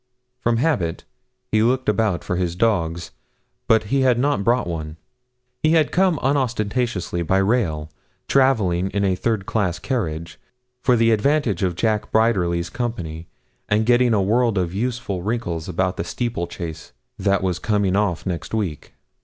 From habit he looked about for his dogs, but he had not brought one. He had come unostentatiously by rail, travelling in a third class carriage, for the advantage of Jack Briderly's company, and getting a world of useful wrinkles about the steeplechase that was coming off next week.